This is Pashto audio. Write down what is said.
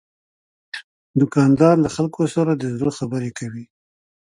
دوکاندار له خلکو سره د زړه خبرې کوي.